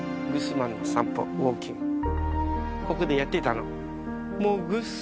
ここでやってたの。